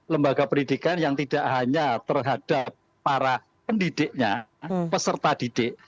lembaga pendidikan yang tidak hanya terhadap para pendidiknya peserta didik